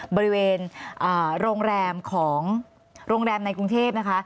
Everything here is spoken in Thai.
บริเวณโรงแรมในกรุงเทพนะคะ